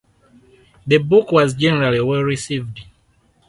The book was generally well received.